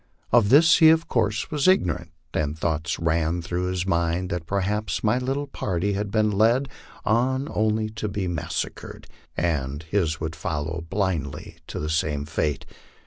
Of this he of course was ignorant, and thoughts ran through his mind that perhaps my little party had been led on only to be massacred, and his would follow blindly to the same fate.